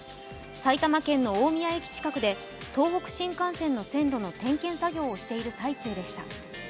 埼玉県の大宮駅近くで東北新幹線の線路の点検作業をしている最中でした。